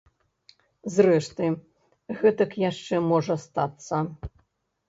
Зрэшты, гэтак яшчэ можа стацца.